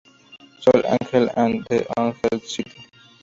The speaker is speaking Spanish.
Sol-Angel and The Hadley St.